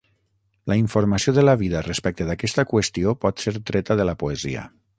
La informació de la vida respecte d'aquesta qüestió pot ser treta de la poesia.